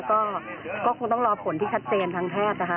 ก็คงต้องรอผลที่ขัดเตรนทางแทศน์